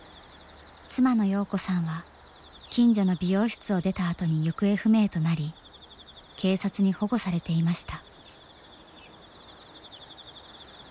妻の洋子さんは近所の美容室を出たあとに行方不明となり警察に保護されていました。